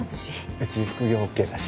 うち副業ＯＫだし。